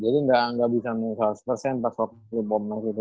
jadi gak bisa menyesal seratus pas waktu pomnas itu